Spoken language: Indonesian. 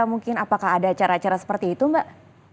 mungkin apakah ada acara acara seperti itu mbak